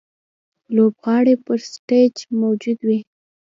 لوبغاړی پر سټېج موجود وي.